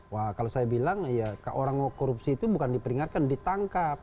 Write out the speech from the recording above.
wah kalau saya bilang ya orang mau korupsi itu bukan diperingatkan ditangkap